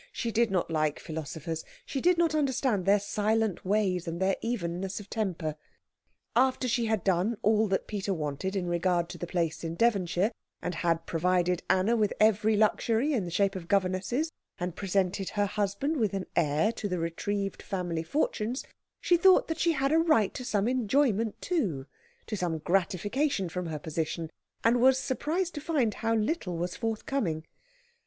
She did not like philosophers. She did not understand their silent ways, and their evenness of temper. After she had done all that Peter wanted in regard to the place in Devonshire, and had provided Anna with every luxury in the shape of governesses, and presented her husband with an heir to the retrieved family fortunes, she thought that she had a right to some enjoyment too, to some gratification from her position, and was surprised to find how little was forthcoming.